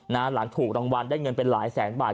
หลังถูกรางวัลได้เงินเป็นหลายแสนบาท